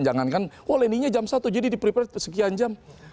jangankan oh landingnya jam satu jadi di preparet sekian jam